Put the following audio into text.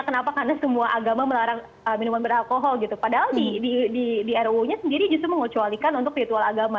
kenapa karena semua agama melarang minuman beralkohol gitu padahal di ruu nya sendiri justru mengecualikan untuk ritual agama